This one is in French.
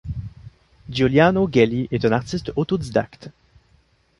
Giuliano Ghelli est un artiste autodidacte.